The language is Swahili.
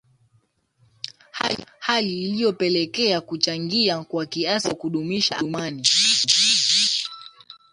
Hali iliyopelekea kuchangia kwa kiasi kikubwa kudumisha amani